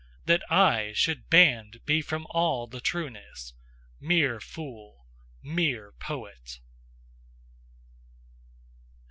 THAT I SHOULD BANNED BE FROM ALL THE TRUENESS! MERE FOOL! MERE POET!